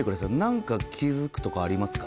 なんか気付くとこありますか？